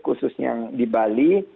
khususnya di bali